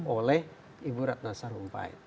oleh ibu ratna sarumpahin